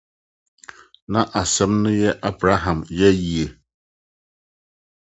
Na asɛm no yɛ Abraham yaw yiye.